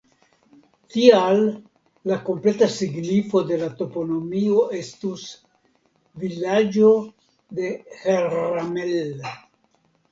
Tial la kompleta signifo de la toponimo estus "vilaĝo de Herramel".